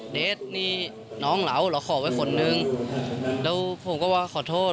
เดสนี่น้องเหลาเหรอขอไว้คนนึงแล้วผมก็ว่าขอโทษ